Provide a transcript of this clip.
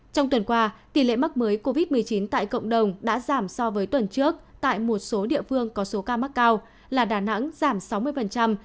trong tuần qua tỷ lệ mắc mới covid một mươi chín tại cộng đồng đã giảm so với tuần trước tại một số địa phương có số ca mắc cao là đà nẵng giảm sáu mươi